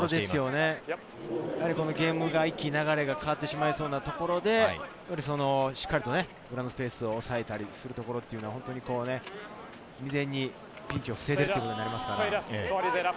ゲームが、一気に流れが変わってしまいそうなところで、しっかりと裏のスペースを押さえたりするところっていうのは、未然にピンチを防ぐということになりますからね。